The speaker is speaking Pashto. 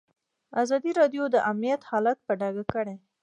ازادي راډیو د امنیت حالت په ډاګه کړی.